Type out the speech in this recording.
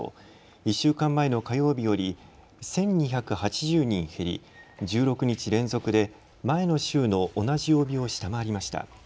１週間前の火曜日より１２８０人減り、１６日連続で前の週の同じ曜日を下回りました。